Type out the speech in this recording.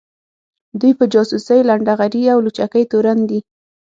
دوی په جاسوۍ ، لنډغري او لوچکۍ تورن دي